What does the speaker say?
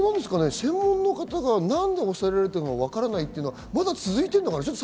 専門家の方が何で抑えられているかわからないというのは、まだ続いているんでしょうか？